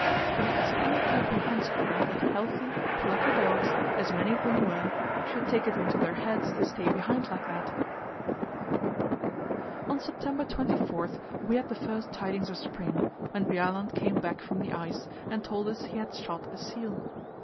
But it is incomprehensible that healthy, plucky dogs, as many of them were, should take it into their heads to stay behind like that. On September 24 we had the first tidings of spring, when Bjaaland came back from the ice and told us he had shot a seal.